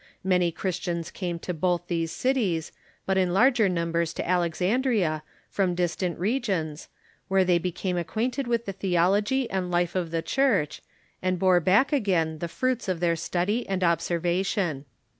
Many Christians came to both these cities, but in larger numbers to Alexandria, from distant regions, where they became acquainted Avith the theology and life of the Church, and bore back again the fruits of their study and observation.